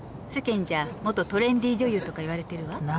世間じゃ元トレンディ女優とか言われてるわ。